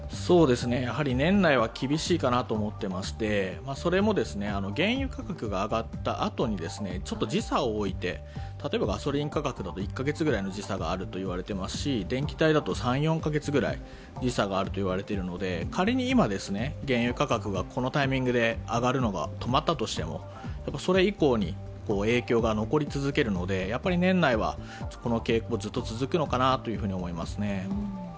やはり年内は厳しいかなと思ってまして、それも原油価格が上がったあとにちょっと時差を置いて、例えばガソリン価格だと１カ月ぐらいの時差があると言われていますし、電気代だと３４カ月くらい時差があるといわれていますので仮に今、このタイミングで上がるのが止まったとしてもそれ以降に影響が残り続けるので、やはり年内はこの傾向がずっと続くのかなと思いますね。